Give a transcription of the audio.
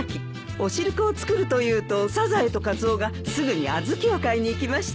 お汁粉を作ると言うとサザエとカツオがすぐに小豆を買いに行きました。